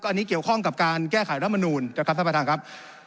อันนี้เกี่ยวข้องกับการแก้ไขรัฐมนูลนะครับท่านประธานครับ